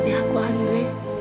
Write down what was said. nenek aku anggil